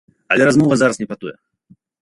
Але размова зараз не пра тое.